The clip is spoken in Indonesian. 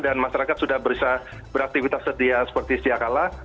dan masyarakat sudah beraktivitas sedia seperti setiap kalah